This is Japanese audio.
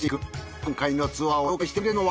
今回のツアーを紹介してくれるのは？